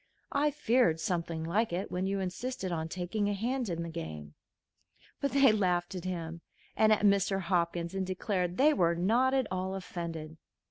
I feared something like it when you insisted on taking a hand in the game." But they laughed at him and at Mr. Hopkins, and declared they were not at all offended.